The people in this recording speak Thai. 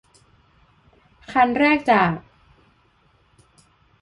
คันแรกจาก